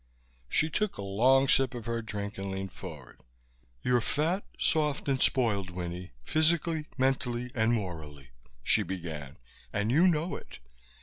She took a long sip of her drink and leaned forward. "You're fat, soft and spoiled, Winnie, physically, mentally and morally," she began, "and you know it.